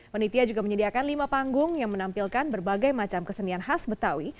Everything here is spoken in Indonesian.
panitia juga menyediakan lima panggung yang menampilkan berbagai macam kesenian khas betawi